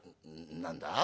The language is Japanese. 何だ？